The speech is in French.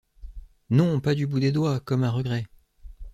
Non! pas du bout des doigts, comme à regret.